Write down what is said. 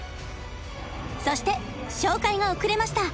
そして紹介が遅れました